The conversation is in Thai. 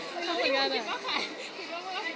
ตอนนี้คิดว่าใคร